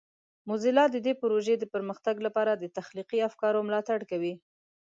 موزیلا د دې پروژې د پرمختګ لپاره د تخلیقي افکارو ملاتړ کوي.